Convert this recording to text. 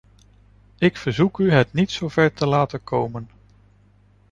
Ik verzoek u het niet zo ver te laten komen.